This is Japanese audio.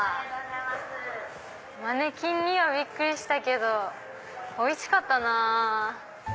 マネキンにはびっくりしたけどおいしかったなぁ。